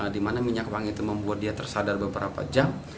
dimana minyak wangi itu membuat dia tersadar beberapa jam